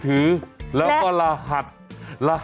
อยู่นี่หุ่นใดมาเพียบเลย